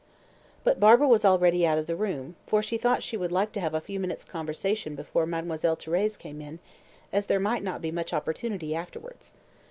But Barbara was already out of the room, for she thought she would like to have a few minutes conversation before Mademoiselle Thérèse came in, as there might not be much opportunity afterwards.